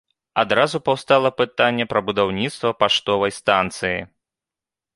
Адразу паўстала пытанне пра будаўніцтва паштовай станцыі.